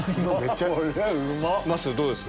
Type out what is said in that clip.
まっすーどうです？